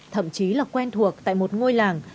thậm chí là quen thuộc tại một ngôi làng